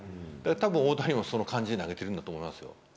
たぶん、大谷もそんな感じで投げてるんだと思いますよ。